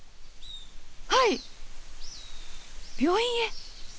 はい病院へ。